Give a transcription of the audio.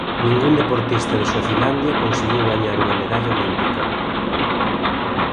Ningún deportista de Suacilandia conseguiu gañar unha medalla olímpica.